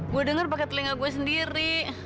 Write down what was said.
gue dengar pakai telinga gue sendiri